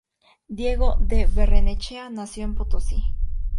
Diego de Barrenechea nació en Potosí.